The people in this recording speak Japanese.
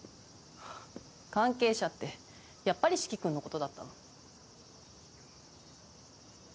関係者ってやっぱり四鬼君のことだったの。